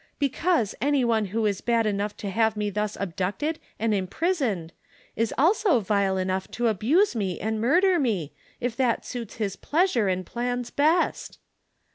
Because, any one who is bad enough to have me thus abducted and imprisoned, is also vile enough to abuse and murder me, if that suits his pleasure and plans best.